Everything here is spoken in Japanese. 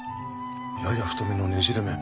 やや太めのねじれ麺。